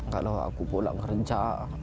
kalau aku pulang kerja